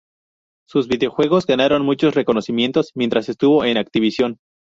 Sus videojuegos ganaron muchos reconocimientos mientras estuvo en Activision.